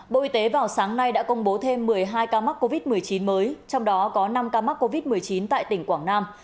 bộ y tế vào sáng nay đã công bố thêm một mươi hai ca mắc covid một mươi chín mới trong đó có năm ca mắc covid một mươi chín tại tỉnh quảng nam